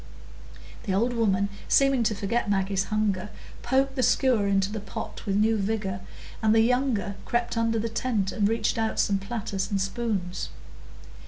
The old woman, seeming to forget Maggie's hunger, poked the skewer into the pot with new vigor, and the younger crept under the tent and reached out some platters and spoons.